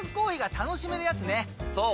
そう！